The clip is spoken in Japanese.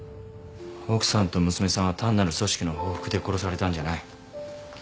奥さんと娘さんは単なる組織の報復で殺されたんじゃない。